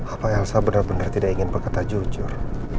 apa elsa bener bener tidak ingin berkata jujur